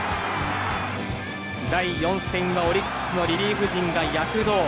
第４戦はオリックスのリリーフ陣が躍動。